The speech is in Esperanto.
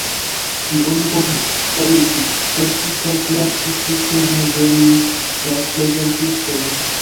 Tie oni povis saluti, ŝerci kaj klaĉi tute sen ĝeni la prezentiston.